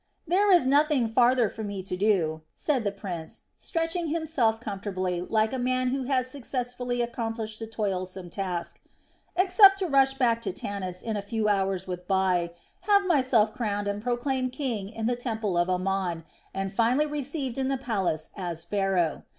"There is nothing farther for me to do," said the prince, "stretching himself comfortably, like a man who has successfully accomplished a toilsome task," except to rush back to Tanis in a few hours with Bai, have myself crowned and proclaimed king in the temple of Amon, and finally received in the palace as Pharaoh.